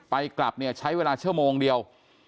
ไปกลับนี้ใช้เวลาเจอร์โมงเดียว